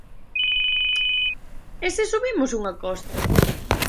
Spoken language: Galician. _¿E se subimos unha costa?